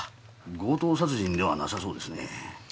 強盗殺人ではなさそうですね。